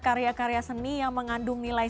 karya karya seni yang mengandung nilai